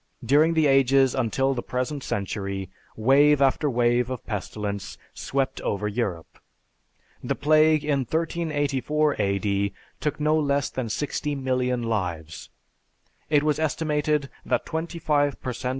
During the ages until the present century, wave after wave of pestilence swept over Europe. The plague in 1384 A.D. took no less than 60 million lives. It was estimated that twenty five per cent.